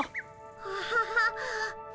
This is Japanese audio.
アハハッ。